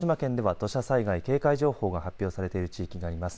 それから宮崎県や鹿児島県では土砂災害警戒情報が発表されている地域があります。